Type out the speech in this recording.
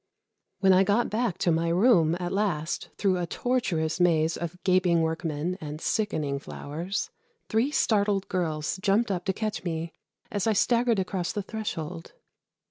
When I got back to my room at last through a tortuous maze of gaping workmen and sickening flowers, three startled girls jumped up to catch me as I staggered across the threshold.